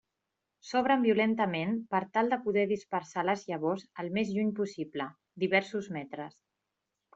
S'obren violentament per tal de poder dispersar les llavors el més lluny possible, diversos metres.